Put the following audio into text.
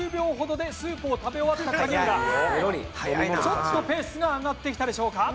ちょっとペースが上がってきたでしょうか。